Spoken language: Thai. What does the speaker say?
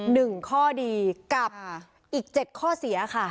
หนึ่งข้อดีกับอีกเจ็ดข้อเสียค่ะ